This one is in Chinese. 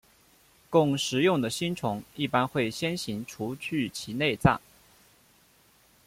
供食用的星虫一般会先行除去其内脏。